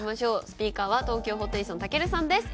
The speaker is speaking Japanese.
スピーカーは東京ホテイソンたけるさんです。